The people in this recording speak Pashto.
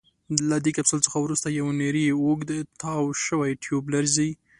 له دې کپسول څخه وروسته یو نیری اوږد تاو شوی ټیوب راځي.